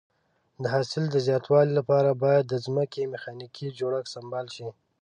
د حاصل د زیاتوالي لپاره باید د ځمکې میخانیکي جوړښت سمبال شي.